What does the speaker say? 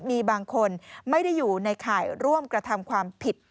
มีบางคนไม่ได้อยู่ในข่ายร่วมกระทำความผิด